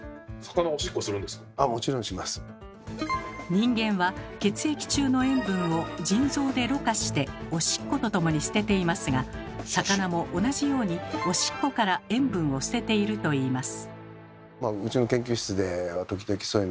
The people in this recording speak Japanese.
人間は血液中の塩分を腎臓でろ過しておしっこと共に捨てていますが魚も同じようにおしっこから塩分を捨てているといいます。